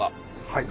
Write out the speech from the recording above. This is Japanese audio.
はい。